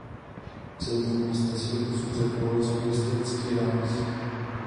Centrum města si doposud zachovalo svůj historický ráz.